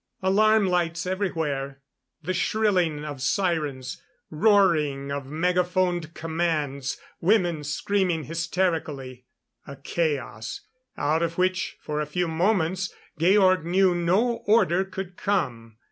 Alarm lights everywhere. The shrilling of sirens; roaring of megaphoned commands ... women screaming hysterically.... A chaos, out of which, for a few moments, Georg knew no order could come.